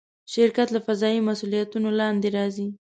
شرکت له قضایي مسوولیتونو لاندې راځي.